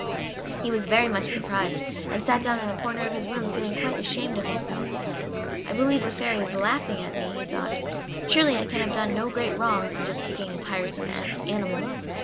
He was very much surprised, and sat down in a corner of his room feeling quite ashamed of himself. "I believe the Fairy is laughing at me," he thought. "Surely I can have done no great wrong in just kicking a tiresome animal!